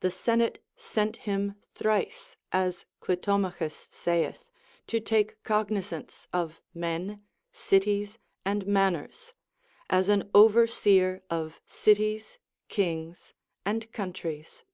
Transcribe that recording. The senate sent him thrice, as Clitomachus saith, to take cognizance of men, cities, and manners, as an overseer of cities, kings, and countries.